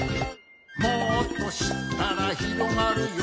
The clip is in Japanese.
「もっとしったらひろがるよ」